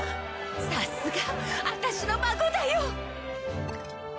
さすが私の孫だよ。